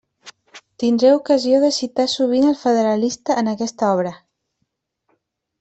Tindré ocasió de citar sovint el Federalista en aquesta obra.